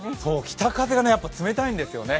北風が冷たいんですよね。